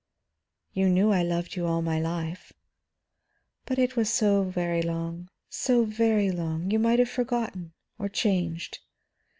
"You knew I loved you all my life." "But it was so very long, so very long; you might have forgotten or changed.